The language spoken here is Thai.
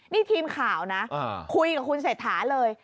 นี่ทีมข่าวนะคุยกับคุณเศรษฐาเลย